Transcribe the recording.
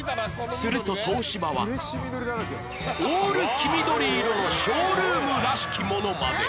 すると東芝はオール黄緑色のショールームらしきものまで